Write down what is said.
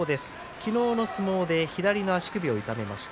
昨日の相撲で左の足首を痛めました。